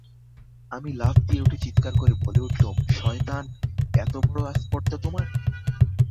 আমি লাফ দিয়ে উঠে চীৎকার করে বলে উঠলুম, শয়তান, এতবড়ো আস্পর্ধা তোমার।